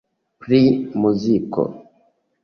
Pri muziko.